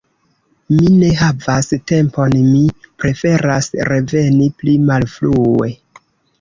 Mi ne havas tempon, mi preferas reveni pli malfrue.